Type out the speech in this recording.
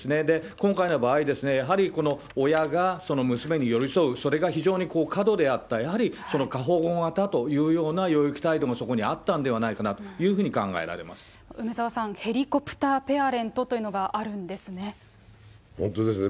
今回の場合ですね、やはりこの親が娘に寄り添う、それが非常に過度であった、やはり過保護型というような養育態度もそこにあったのではないか梅沢さん、ヘリコプターペア本当ですね。